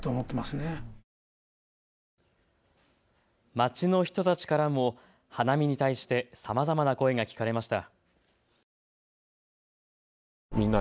街の人たちからも花見に対してさまざまな声が聞かれました。